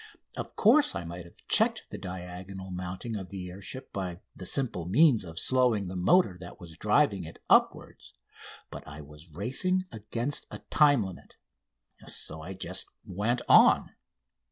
Of course, I might have checked the diagonal mounting of the air ship by the simple means of slowing the motor that was driving it upward; but I was racing against a time limit, and so I just went on.